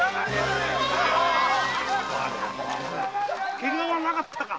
ケガはなかったか？